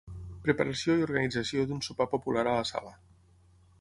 Preparació i organització d'un sopar popular a la sala.